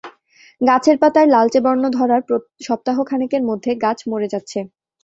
গাছের পাতায় লালচে বর্ণ ধরার সপ্তাহ খানেকের মধ্যে গাছ মরে যাচ্ছে।